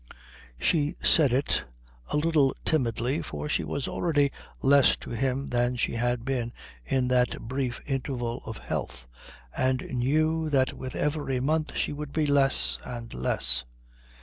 She said it a little timidly, for she was already less to him than she had been in that brief interval of health, and knew that with every month she would be less and less.